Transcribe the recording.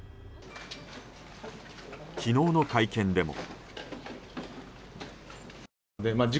昨日の会見でも。